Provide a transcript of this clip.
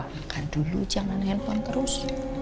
makan dulu jangan nelpon terus